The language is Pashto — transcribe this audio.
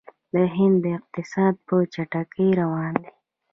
د هند اقتصاد په چټکۍ روان دی.